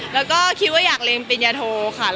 แล้วก็คิดว่าอยากเรียนปริญญาโทค่ะ